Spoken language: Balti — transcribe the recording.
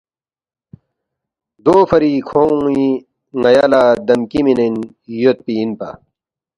دوفری کھونگ ن٘یا لہ دھمکی مِنین یودپی اِنپا